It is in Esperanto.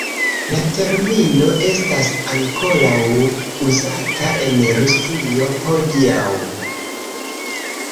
La termino estas ankoraŭ uzata en Rusio hodiaŭ.